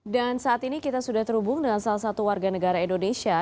dan saat ini kita sudah terhubung dengan salah satu warga negara indonesia